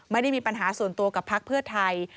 ไม่ได้มีปัญหาส่วนตัวกับพักเพื่อไทย